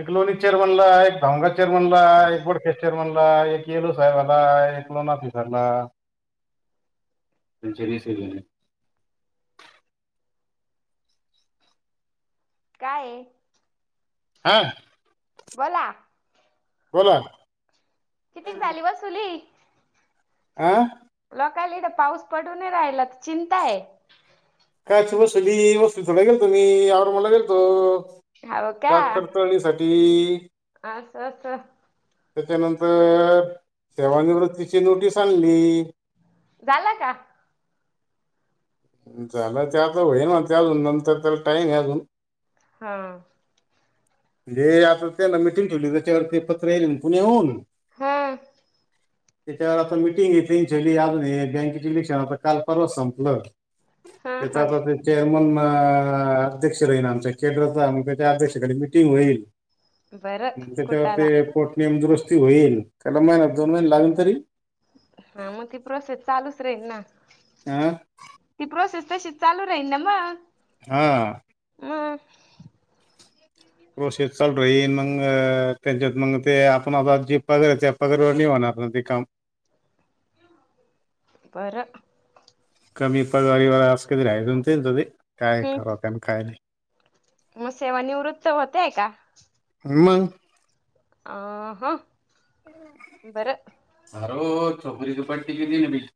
एक लोणी चेर बनला, एक धोंगा चेर बनला, एक बोड फेस्ट र्णला एक येलो साहेब आला एक लोन ऑफिसरला शरी शरी काय हा बोला बोला. किती झाली वसुली. आं. लोकांला इथं पाऊस पडूये नाही राहिला चिंता आहे. कायच वसुली, वसुली थोडाच गेलेतो मी, बसते थोड गेलतो आवमाला गेलतो. हो का जात पडतळणीसाठी असं असं त्याच्यानंतर सेवानिवृत्तीची नोटीस आणली झाला का झालं त्या तर होई ना त्या अजून नंतर त्याला टाईम आहे अजून हा म्हणजे आता त्यांना मिटिंग ठेवली त्याच्यावरती पत्र आले ना पुण्या येऊन हम त्याच्यावर आता मीटिंग घेतली छली अजून बँकेचे इलेक्शन आता काल परवा संपलं हा हा कता त चेअरमन अध्यक्ष राहीन आमच्या केंद्रचा त्याच्या अध्यक्षाकडे मिीटिंग होईल बरं त्याच्यावर कुटाला ते पोटनयम दुरुस्ती होईल त्याला माहिनात दोन महिने लागले तरी हा मग ती प्रोसेस चालूच राहील ना हं ती प्रोसेस तशीच चालू राहील ना मग हा ह प्रोसेस चालू राहीन मग त्यांच्यात मग ते आपण आता जीप वगैरे पगरवाणी होणार ना ते काम परर कमी पगारीवर असं कधी राहायचं ते तध काय हम्म ठरवतेना काय नाही मग सेवा निवृत्त होतेय का हम आ हा बरं म र छकरी तपाट ट के दिन ब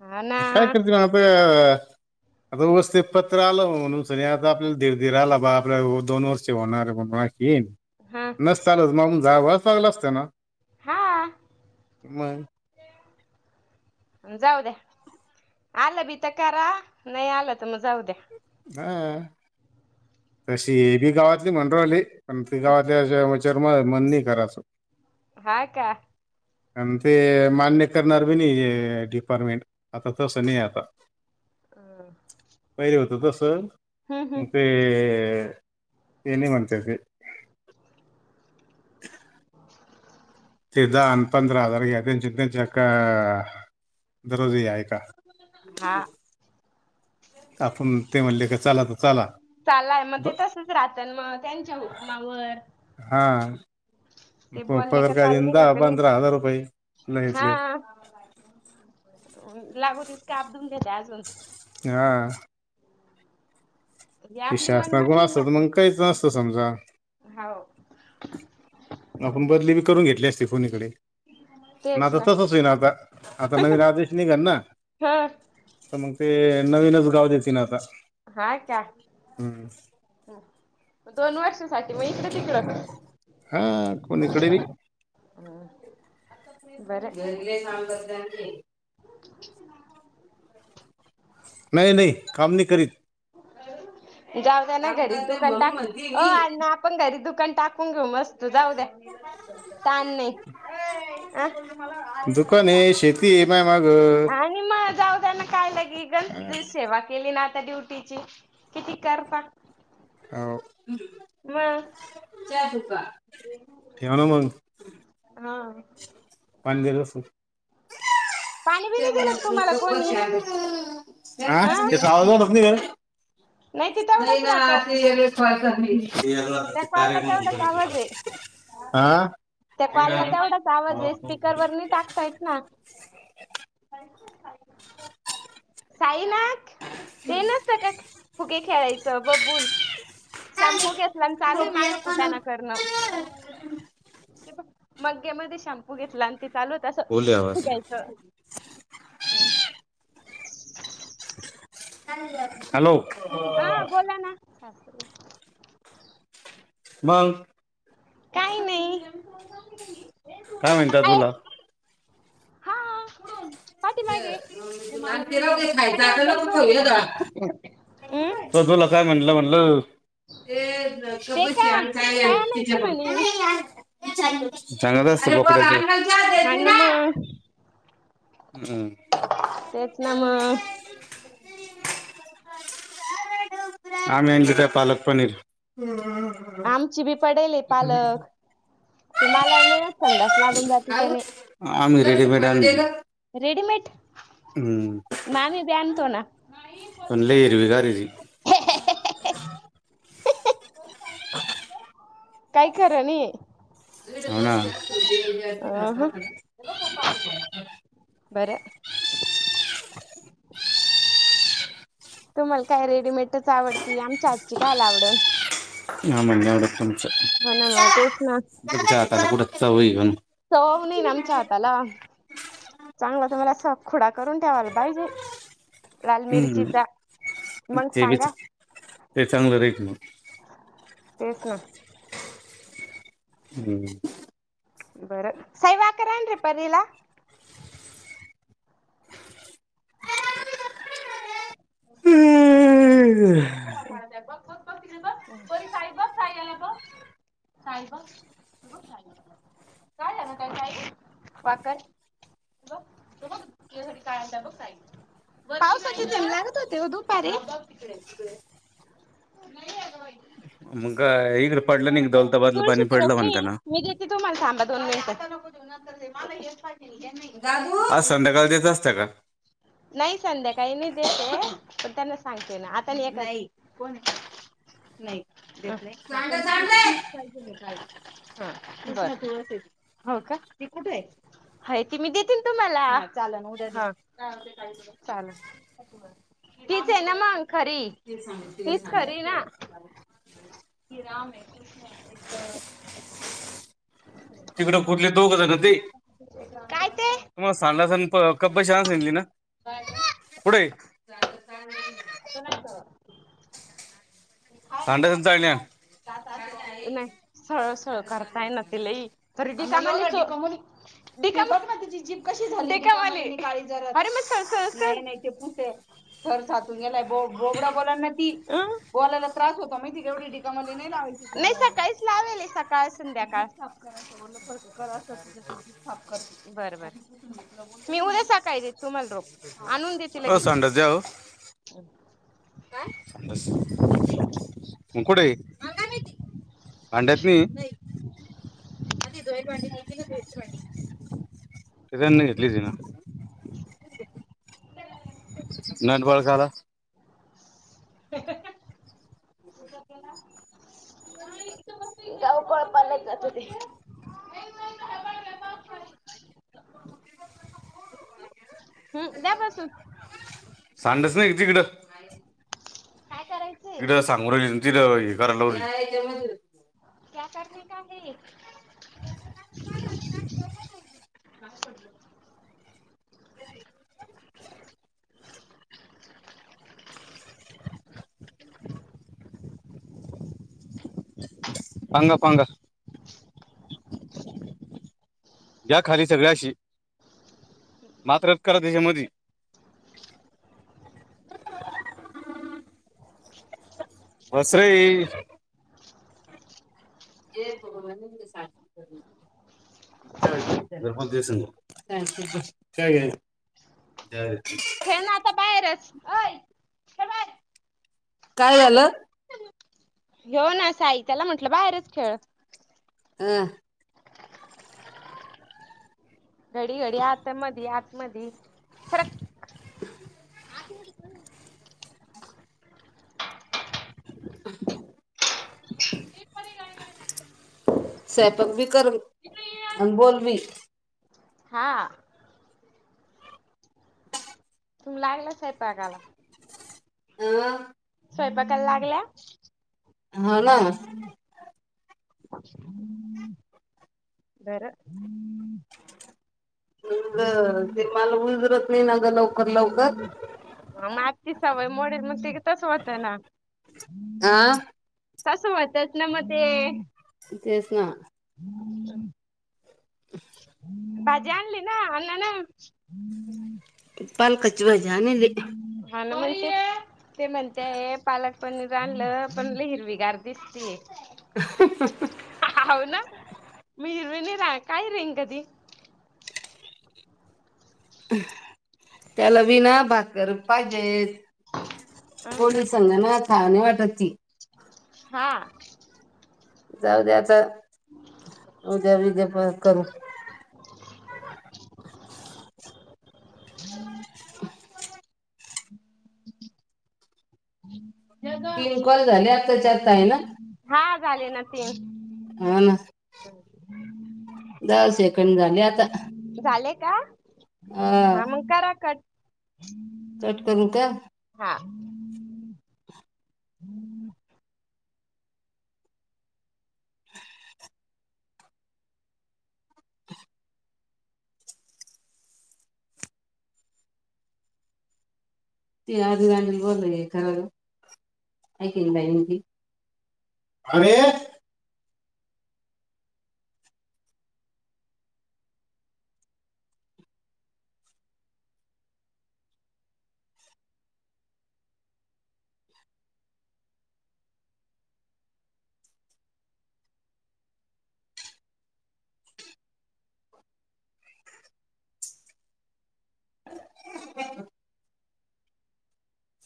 हा ना कायतप आता वस्थित पत्र आलं म्हणून स आता आपल्याला ीड धीर आला बा आपल्या दोन वर्ष होणारे म्हणून तीन हा चालू मग जाव चांगलं असत ना हा मग [unintelligible] जाऊ द्या आलं बी तर करा नाही आलं तर मग जाऊ द्या हा तशी हेबी गावातली म्हनरोवली पण त गावातली रमा मन नाही करा शक हाय का आणि ते मान्य करणार बी नाहीे डिपार्टमेंट आता तस नाही आता पहिले होत तस हम्म हम्म ते तेने म्हणते [unintelligible] [inaudible] ते दहा आणि पंधरा हजार घ्या तेंच्या तेंच्या का दररोज या हा. आपण ते म्हणले का चला तर चला. चालाय मग ते ब- तसच राहत मग त्यांच्या हुमावर हां ते बोलले का चालल का कली पंधरा हजार रुपये हा लयतले लागव तत काबधून घ्याच्या अजून हा ही ते आपली शासना कोण मनमानी असत तर मग काहीच नसतं समजा हाव. मग आपण बदली मी करून घेतली असते फोनीकडे. ना आता तसच होई ना आता आता नवीन आदेश निघाल ना? ह तर मग ते नवीनच गाव देतील ना आता. हा का. हम्म दोन वर्षासाठी मग इकडे तिकड. हां कोण इकडे बी. हम् [unintelligible] नाही नाही काम नाही करीत. जाऊद्याना काम घरी करते दुकान म्हणून टाक म्हणते ओ मी आण्णा आपण घरी दुकान टाकून घेऊ मस् तू जाऊ द्या ताण नाही आ. ती ये माझा माग. आणि मग जाऊ त्यांना काय लगे गण सेवा केली ना आता ड्युटीची. किती करता? हाव. म चा ठेवूका? हा. पान दिल पाणी बिणी दिलं का तुम्हाला कोणी हा ते सावधणत नाही का. ते नाही तेवढाच राहतो नाही त्या कॉलला तेवढाच आवाज आहे [unintelligible] आ? त्या कॉलला तेवढाच आवाज आहे स्पीकर वर नाही टाकता येत ना. साई नाख. ते नसत का फुगे खेळायचं बबूल शॅम्पू घे चालू माग कुठना करण ते मग्या म पु घेतला आणि ते चालूत अस बोले आवाज पुघायचं. हॅलो हा बोला ना सासू बाई मग? काही नाही. काय म्हणता तुला? हा पाठी मागे मला दे ते राहू नाही खायचं पाठी मा आता गज नको रोप आहे खाऊया दा ना. अं? तो तुला काय म्हणला म्हणल? ते कप ते बशी का आमचा काय तिच्या आणायचं पण. म्हणे चांगल् असत बोकडाच. हा नम. तेच ना मग हमं आम आ जट पालक पनीिर आमची बी पडेल पालक ते मला न संडास लागून जाते त्याने आम्ही रेडीमेड आम्ही रेडीमेट हम्म मामी बी आणतो ना. आण लय इरवगारीजी. काय खरनि. हो ना अ बर तुम्हाला काय रेडीमेटच आवडती आमच्या आजची खल आवड हा म्हणज एवढं तुमचं हो ना मग तेच ना जाता कुठं चाण सो होनी नमच्या आतला चांगलं त मला असा खुडा करून ठेवाल बाहिजे लाल हम्म मिरचीचा मग ते बी सांगा ते चांगलं राहील मग तेच ना हम् बरं सैवाकररान ररी परीला ह हो हम्म बत बस परी खईब खय गला ब चाल बघ काय झा ना त्यांच्या वाक बघ तू बघ यासाठी काय आण बघ काय पावसाची त्या लागत होते दुपारी मग हेकडे पडलं नि तुळशीची रोखणी मी देते तुम्हाला थाबा दोन मिनिट हा संध्याकाळी त्याच असत का नाही संध्या काही नाही देते पण त्यांना सांगते ना आता एकदा कोण नाही दे नाही सांड सांड रे पणी पाहिजे का ह हो का ते कुठे आहे ह त मी देतीलन तुम्हाला चाल ना उद्या चाल तीच आहे ना मग खरी ते सांड तिला तच सांड कररी ना किराम आहे कसण तिकडं कुठले दोघ काय ते तुमला सांगला कब्बर शान सली ना पुढे असं नाहीत सांडे्याशन चाल्यान का नाही सळ सळ करताय ना तलाही त [inaudible] ते का बघ म तिझ जीप कशी झाली का ज अरे म सळळ पु [inaudible] घर जात तंगेला ब बोबडा बोलाना ती बोलायला त्रास होतो माहिती एवढी [unintelligible] नाही लावायची नाही सकाळीच लावेल सकाळ संध्याकाळ काप कर बर बर [inaudible] मी उद्या सकाळी देते तुम्हाला रोख आणून द हो [inaudible] जाऊ म कुडे हे [inaudible] पांड्यात मी त घेतलीज ना नंदवळ खला ला गावकळ पालाच जात ते [unintelligible] [inaudible] हम् द्यापासून सांडच नाही तिकडं काय करायचं तिकडं सांगून राहिल तिथं हे करायला लावल क्या करणे का हे [inaudible] [inaudible] [inaudible] पंग पांग या खाली सगळ्याशी मात्रच करा त्याच्यामध्ये [unintelligible] बस रे ये ब कर [inaudible] जय वायरस आय काय झालं येेऊ ना साहित्याला म्हटलं बाहेरच खेळ अं घडी घडी आता मध आत मधी सरक [inaudible] सायंपाक भी कर अन बोलवी हा तुम्ही लागलाय सायंपाकला अं स्वयंपाकला लागल्या हा ना [inaudible] बर [inaudible] म ते मला उजरत नाही ना ग लवकर लवकर ह मगची सवय मोडे मग त तस होत ना हा तसं होतच ना मग ते तेच ना हम् [inaudible] भाजी आणली ना अन ना पालकाची भाजी आणलेली हाल म्हण ते म्हणते पालक पण रालं पण लेहिरविगार दिस त ह ह ना मीर्णी रा काय रेंग कधी त्याला विना भाकर पाहिजे अ कोणी संगा ना आणि वाटत ती हा जाऊद्या अता उद्या बिद्या परत करू [inaudible] तीन कॉल झाले आत्ताच्या आत्ता आहे ना हा झाले ना तीन हा ना दहा सेकंड झाले आता झाले का हम हा मग करा कट कट करू का हा [inaudible] ते आधी बोलल खरं, ऐकल बाईनी अरे.. [inaudible]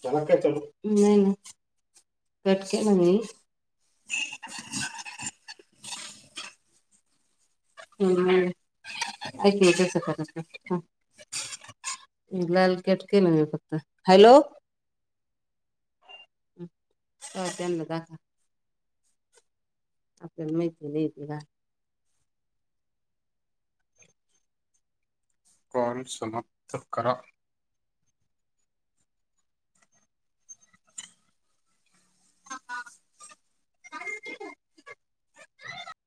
चला काय चलू, नाही-नाही कटके म्हणी [inaudible] लाल केटकेन फक्त, हॅलो का त्यांना दाखवा आपल्याला माहिती नाही येते का! कॉल समाप्त करा. [unintelligible]